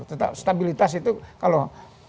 tetap stabilitas itu kalau